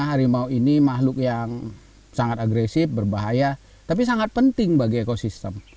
harimau ini makhluk yang sangat agresif berbahaya tapi sangat penting bagi ekosistem